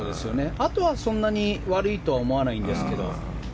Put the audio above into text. あとはそんなに悪いとは思わないんですけど。